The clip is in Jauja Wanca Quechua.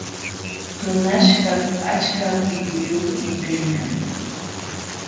Tunaśhkaq achka qipuyuqmi kaykan.